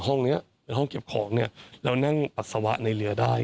ห้องนี้เป็นห้องเก็บของเนี่ยเรานั่งปัสสาวะในเรือได้